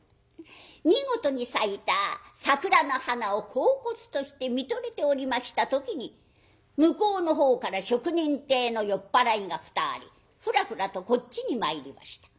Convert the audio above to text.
見事に咲いた桜の花をこうこつとして見とれておりました時に向こうのほうから職人体の酔っ払いが２人フラフラとこっちに参りました。